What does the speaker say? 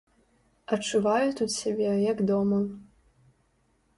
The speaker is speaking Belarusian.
Адчуваю тут сябе, як дома.